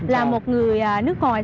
là một người nước ngoài